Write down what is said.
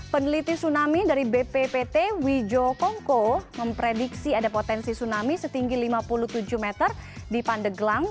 peneliti tsunami dari bppt wijo kongko memprediksi ada potensi tsunami setinggi lima puluh tujuh meter di pandeglang